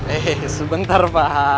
eh sebentar pak